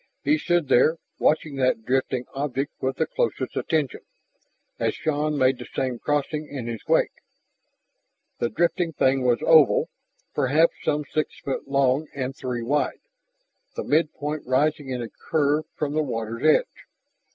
He stood there, watching that drifting object with the closest attention, as Shann made the same crossing in his wake. The drifting thing was oval, perhaps some six feet long and three wide, the mid point rising in a curve from the water's edge.